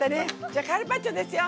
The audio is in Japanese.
じゃあカルパッチョですよ。